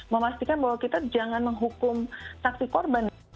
memastikan bahwa kita jangan menghukum saksi korban